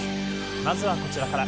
まずは、こちらから。